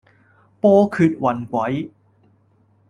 波譎雲詭